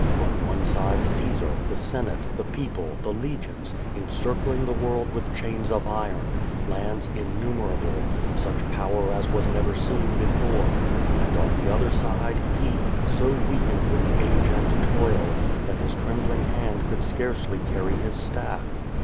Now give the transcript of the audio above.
On one side Caesar, the Sen ate, the people, the legions, encircling the world with chains of iron, lands innumerable, such power as was never seen be fore; and on the other side, he, so weakened with age and toil, that his trembling hand could scarcely carry his staff.